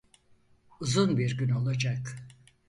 Uzun bir gün olacak.